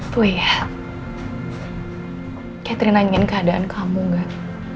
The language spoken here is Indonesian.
tuh ya catherine nanyain keadaan kamu gak